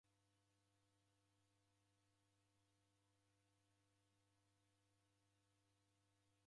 Mwadabonya msarigho na mwaw'ona vua yanya